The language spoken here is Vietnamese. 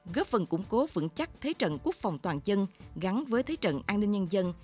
góp phần củng cố vững chắc thế trận quốc phòng toàn dân gắn với thế trận an ninh nhân dân